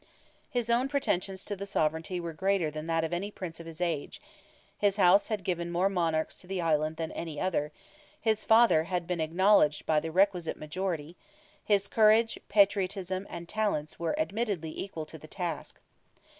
His own pretensions to the sovereignty were greater than that of any Prince of his age; his house had given more monarchs to the island than any other; his father had been acknowledged by the requisite majority; his courage, patriotism, and talents, were admittedly equal to the task.